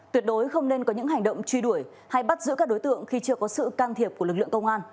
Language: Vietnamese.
tuyệt đối không nên có những hành động truy đuổi hay bắt giữ các đối tượng khi chưa có sự can thiệp của lực lượng công an